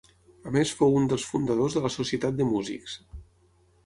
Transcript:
A més fou un dels fundadors de la Societat de Músics.